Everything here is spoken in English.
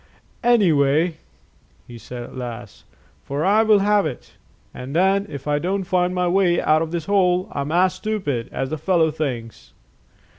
"Any way," he said at last, "for I will have it; and then if I don't find my way out of this hole, I'm as stupid as that fellow thinks."